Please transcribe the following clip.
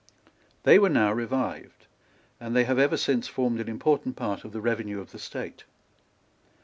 They were now revived; and they have ever since formed an important part of the revenue of the State.